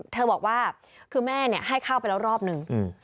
เธอบอกว่าคือแม่เนี้ยให้ข้าวไปแล้วรอบหนึ่งอืม